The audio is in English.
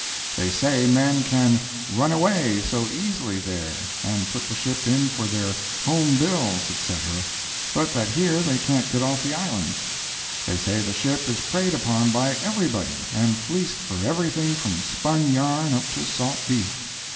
They say men can "run away" so easily there, and put the ship in for their "home bills," etc., but that here they can't get off the islands. They say the ship is preyed upon by everybody, and fleeced for everything from spun yarn up to salt beef.